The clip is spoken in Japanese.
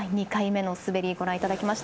２回目の滑りでした。